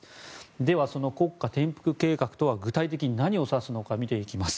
では、その国家転覆計画とは具体的に何を指すのか見ていきます。